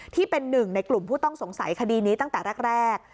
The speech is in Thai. ที่เป็นหนึ่งในกลุ่มผู้ต้องสงสัยคดีนี้ตั้งแต่แรก